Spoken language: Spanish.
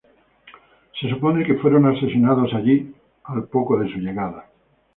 Se supone que fueron asesinados allí al poco de su llegada.